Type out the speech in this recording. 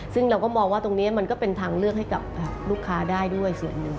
ซึ่งเราก็มองว่าตรงนี้มันก็เป็นทางเลือกให้กับลูกค้าได้ด้วยส่วนหนึ่ง